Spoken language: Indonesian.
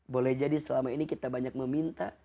boleh jadi selama ini kita banyak meminta